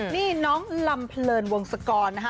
นี่น้องลำเพลินวงศกรนะคะ